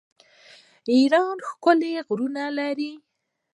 ایران ښکلي غرونه لري.